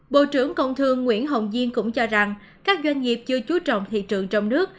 bộ trưởng công thương nguyễn hồng diên cũng cho rằng các doanh nghiệp chưa chú trọng thị trường trong nước